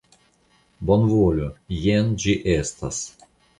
Bonvolu, jen ĝi estas.